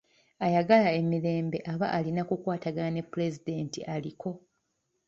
Ayagala emirembe aba alina kukwatagana ne Pulezidenti aliko.